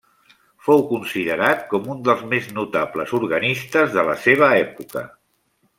Fou considerat com un dels més notables organistes de la seva època.